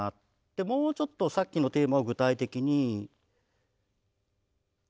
でもうちょっとさっきのテーマを具体的に。